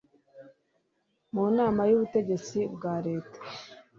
mu Nama y Ubutegetsi bwa leta